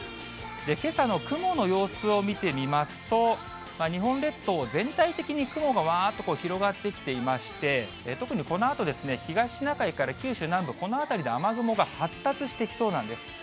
けさの雲の様子を見てみますと、日本列島全体的に雲がわーっと広がってきていまして、特にこのあと、東シナ海から九州南部、この辺りで雨雲が発達してきそうなんです。